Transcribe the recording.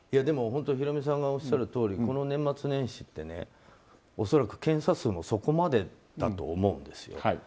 ヒロミさんがおっしゃるとおりこの年末年始って恐らく検査数もそこまでだと思うんですよ。